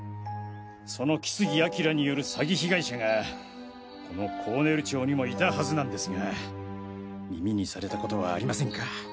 その木杉彬による詐欺被害者がこの甲練町にもいたはずなんですが耳にされたことはありませんか？